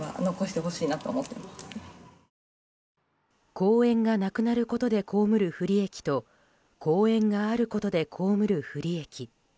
公園がなくなることで被る不利益と公園があることで被る不利益。